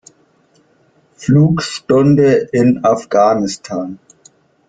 Flugstunde in Afghanistan.